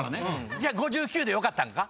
じゃあ「５９」でよかったんか？